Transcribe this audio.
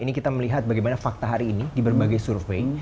ini kita melihat bagaimana fakta hari ini di berbagai survei